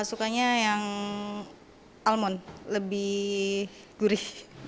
sukanya yang almond lebih gurih